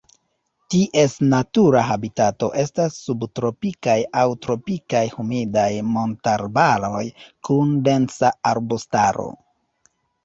Ties natura habitato estas subtropikaj aŭ tropikaj humidaj montararbaroj kun densa arbustaro.